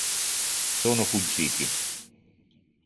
Sono fuggiti!